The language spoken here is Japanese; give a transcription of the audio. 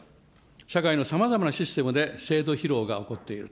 社会のさまざまなシステムで制度疲労が起こっていると。